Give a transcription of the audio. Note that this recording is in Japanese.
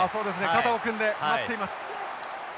肩を組んで待っています。